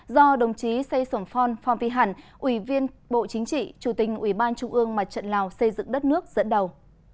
do đồng chí say sổn phon phong vi hẳn ủy viên bộ chính trị chủ tình ủy ban trung ương mặt trận lào xây dựng đất nước dẫn đầu